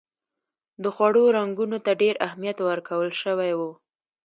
د خوړو رنګونو ته ډېر اهمیت ورکول شوی و.